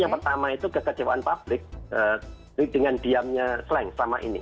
karena ada kecewaan publik dengan diamnya sleng selama ini